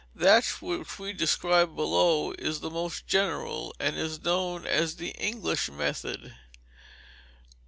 That which we describe below is the most general, and is known as the English method.